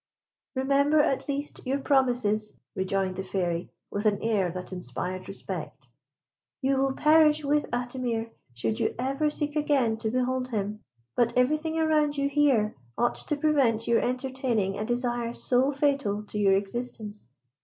"Remember, at least, your promises," rejoined the Fairy, with an air that inspired respect. "You will perish with Atimir should you ever seek again to behold him; but everything around you here ought to prevent your entertaining a desire so fatal to your existence.